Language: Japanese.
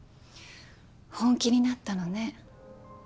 本気になったのね